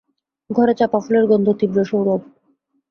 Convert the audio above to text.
ঘরে চাঁপা ফুলের গন্ধ, তীব্র সৌরভ।